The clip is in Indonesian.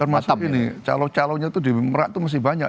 termasuk ini calon calonnya itu di merak itu masih banyak